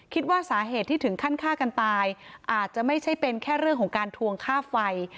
คิดว่าสาเหตุที่ถึงขั้นฆ่ากันตายอาจจะไม่ใช่เป็นแค่เรื่องของการทวงค่าไฟ